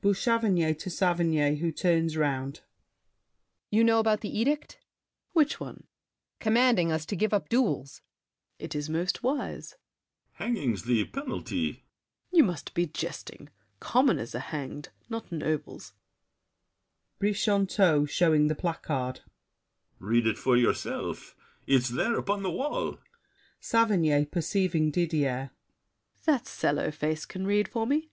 BOUCHAVANNES (to Saverny, who turns around). You know about the edict? SAVERNY. Which one? BOUCHAVANNES. Commanding us to give up duels. SAVERNY. It is most wise. BRICHANTEAU. Hanging's the penalty. SAVERNY. You must be jesting. Commoners are hanged, Not nobles. BRICHANTEAU (showing the placard). Read it for yourself. It's there, Upon the wall. SAVERNY (perceiving Didier). That sallow face can read For me.